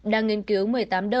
đang nghiên cứu